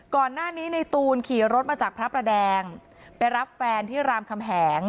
ก่อนหน้านี้ในตูนขี่รถมาจากพระประแดงไปรับแฟนที่รามคำแหง